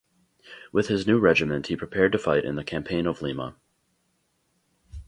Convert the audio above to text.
With his new regiment he prepared to fight in the Campaign of Lima.